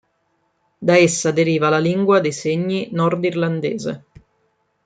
Da essa deriva la lingua dei segni nordirlandese.